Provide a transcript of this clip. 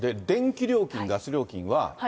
電気料金、ガス料金は。